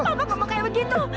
mama gak mau kaya begitu